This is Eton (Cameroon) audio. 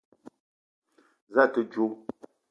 Za a te djo?